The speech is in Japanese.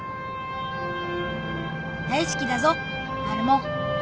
大好きだぞマルモ。